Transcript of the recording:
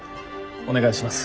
お願いします。